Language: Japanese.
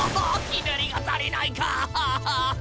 ひねりが足りないか！